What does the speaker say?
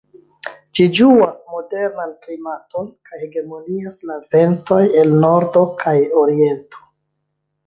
Ĝi ĝuas moderan klimaton, kaj hegemonias la ventoj el nordo kaj oriento.